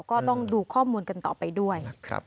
ก็ต้องดูข้อมูลกันต่อไปด้วย